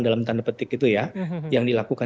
dalam tanda petik itu ya yang dilakukan